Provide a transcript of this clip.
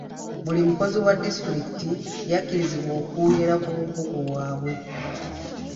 Buli mukozi wa disitulikiti yakkirizibwa okwongera ku bukugu bwabwe.